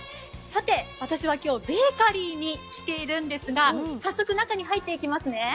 私はベーカリーに来ているんですが、早速中に入っていきますね。